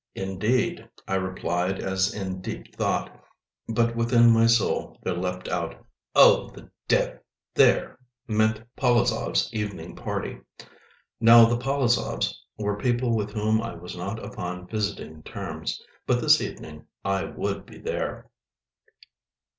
"Indeed," I replied, as in deep thought, but within my soul there leapt out: "Oh, the Dev——!" "There" meant at the Polozovs' evening party. Now the Polozovs were people with whom I was not upon visiting terms. But this evening I would be there.